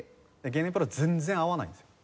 ゲネプロは全然合わないんですよ。